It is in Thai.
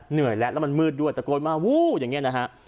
เหนื่อยแล้วแล้วมันมืดด้วยตะโกนมาวู้อย่างนี้นะฮะ